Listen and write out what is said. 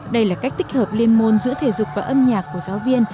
đây là cách tích hợp liên môn giữa thể dục và âm nhạc của giáo viên